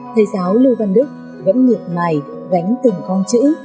thầy giáo lưu văn đức vẫn nghiệp mày gánh từng con chữ